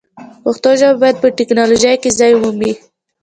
پښتو ژبه باید په ټکنالوژۍ کې ځای ومومي.